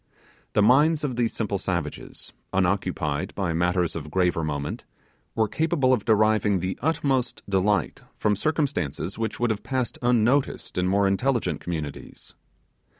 The minds of these simple savages, unoccupied by matters of graver moment, were capable of deriving the utmost delight from circumstances which would have passed unnoticed in more intelligent communities.